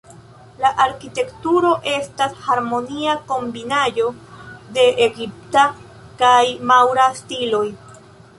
La arkitekturo estas harmonia kombinaĵo de egipta kaj maŭra stiloj.